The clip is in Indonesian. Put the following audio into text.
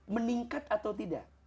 meningkat atau tidak